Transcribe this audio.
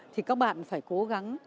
thì các bạn phải cố gắng